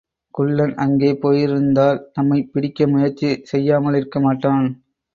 குள்ளன் அங்கே போயிருந்தால் நம்மைப் பிடிக்க முயற்சி செய்யாமலிருக்கமாட்டான்.